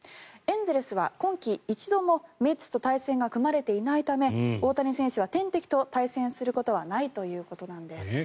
エンゼルスは今季一度もメッツと対戦が組まれていないため大谷選手は天敵と対戦することはないということなんです。